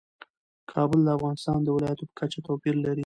کابل د افغانستان د ولایاتو په کچه توپیر لري.